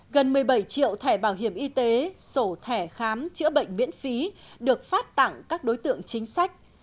gần một mươi bảy triệu thẻ bảo hiểm y tế sổ thẻ khám chữa bệnh miễn phí được phát tặng các đối tượng chính sách